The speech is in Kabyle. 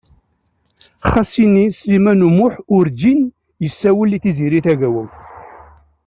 Xas ini Sliman U Muḥ wurǧin yessawel i Tiziri Tagawawt.